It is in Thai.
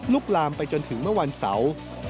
ลามไปจนถึงเมื่อวันเสาร์